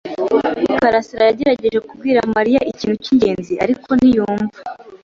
karasira yagerageje kubwira Mariya ikintu cyingenzi, ariko ntiyumva.